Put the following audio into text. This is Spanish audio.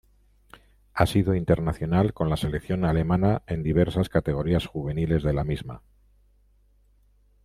Ha sido internacional con la selección alemana en diversas categorías juveniles de la misma.